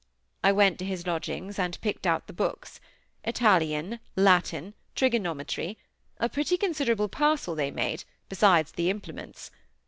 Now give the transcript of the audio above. I went to his lodgings and picked out the books. Italian, Latin, trigonometry; a pretty considerable parcel they made, besides the implements.